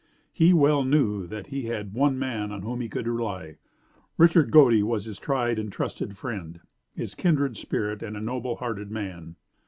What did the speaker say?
He well knew that he had one man on whom he could rely. Richard Godey was his tried and trusty friend, his kindred spirit and a noble hearted man.